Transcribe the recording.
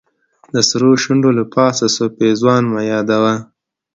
د سرو شونډو له پاسه سور پېزوان مه یادوه.